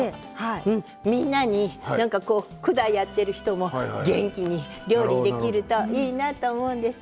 みんな管をやっている人も元気に料理ができるといいなと思うんです。